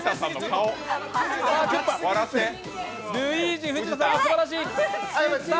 ルイージ・藤田さんがすばらしい。